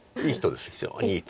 非常にいい人。